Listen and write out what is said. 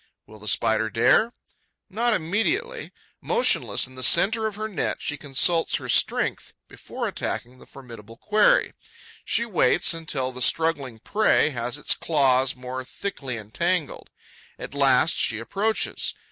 Will the Spider dare? Not immediately. Motionless in the centre of her net, she consults her strength before attacking the formidable quarry; she waits until the struggling prey has its claws more thickly entangled. At last, she approaches.